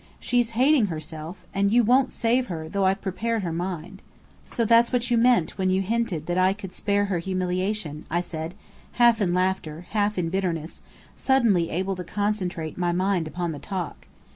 She's hating herself. And you won't save her though I've prepared her mind!" "So that's what you meant when you hinted that I could spare her humiliation!" I said, half in laughter, half in bitterness, suddenly able to concentrate my mind upon the talk.